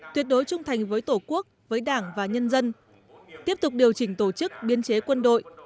tuyệt đối trung thành với tổ quốc với đảng và nhân dân tiếp tục điều chỉnh tổ chức biên chế quân đội